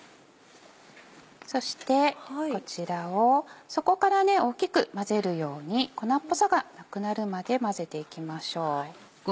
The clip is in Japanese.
そしてこちらを底から大きく混ぜるように粉っぽさがなくなるまで混ぜていきましょう。